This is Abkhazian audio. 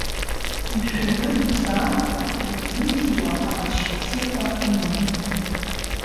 Мшәылды иузаамхәо, иузымҭиуа аҟазшьа бзиақәа имоуп.